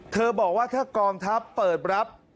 บอกว่าถ้ากองทัพเปิดรับ